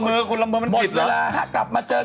หมดเวลาแล้วค่ะพวกนี้กลับมาเจอเคย